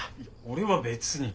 俺は別に。